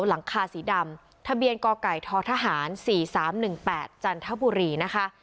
หลังคาสีดำทะเบียนกไก่ททหาร๔๓๑๘จันทบุรีนะคะ